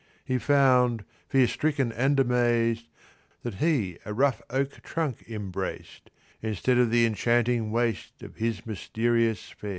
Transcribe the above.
He found, fear stricken and amaz'd, That he a rough oak trunk embrac'd, Instead of the enchanting waist Of his mysterious fair.